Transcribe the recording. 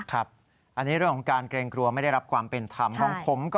อันนี้เรื่องของการเกรงกลัวไม่ได้รับความเป็นธรรมของผมก็